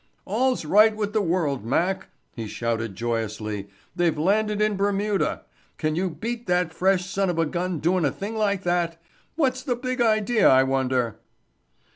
"All's right with the world, Mac," he shouted joyously. "They've landed in Bermuda. Can you beat that fresh son of a gun doin' a thing like that? What's the big idea, I wonder?"